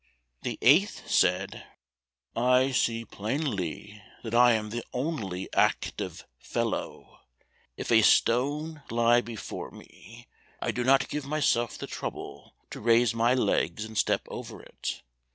The eighth said, "I see plainly that I am the only active fellow; if a stone lie before me, I do not give myself the trouble to raise my legs and step over it.